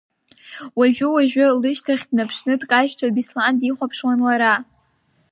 Уажәы-уажәы лышьҭахь днаԥшны дкажьцәо Беслан дихәаԥшуан лара.